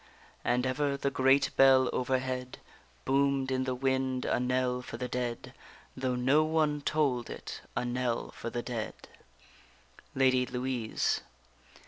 And ever the great bell overhead Boom'd in the wind a knell for the dead, Though no one toll'd it, a knell for the dead. LADY LOUISE.